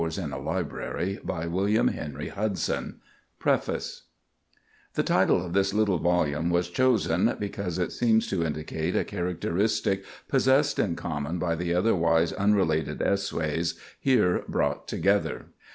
H. IN REMEMBRANCE OF THE DEAR OLD DAYS Preface The title of this little volume was chosen because it seems to indicate a characteristic possessed in common by the otherwise unrelated essays here brought together.